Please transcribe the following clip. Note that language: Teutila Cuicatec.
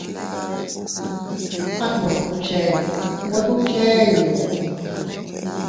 At nwe kubchey nwe kubchey ndoko.